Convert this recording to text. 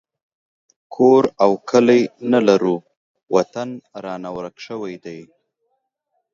کور او کلی نه لرو وطن رانه ورک شوی دی